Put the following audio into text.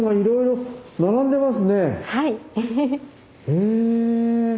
へえ。